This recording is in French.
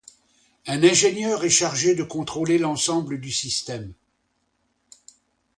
Un ingénieur est chargé de contrôler l'ensemble du système.